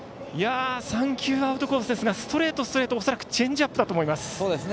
３球アウトコースですがストレート、ストレートでチェンジアップだと思います。